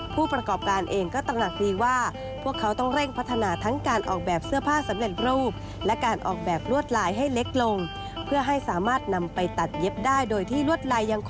ผู้ประกอบการณ์เองก็ตระหนักดีว่า